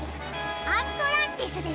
アントランティスです。